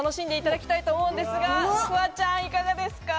フワちゃん、いかがですか？